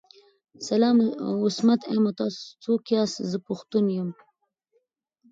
سلام عصمت یم او تاسو څوک ياست ذه پښتون یم